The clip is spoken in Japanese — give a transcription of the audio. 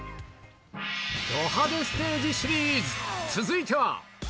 ド派手ステージシリーズ、続いては。